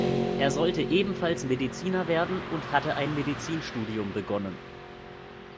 Er sollte ebenfalls Mediziner werden und hatte ein Medizinstudium begonnen.